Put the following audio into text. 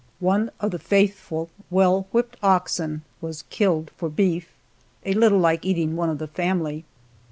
One of the faithful, well whipped oxen was killed for beef (a little like eating one of the family).